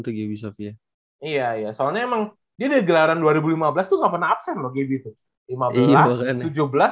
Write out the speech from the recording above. tuh gaby sofia iya soalnya emang dia dari gelaran dua ribu lima belas tuh nggak pernah absen loh gaby itu lima belas tujuh belas sembilan belas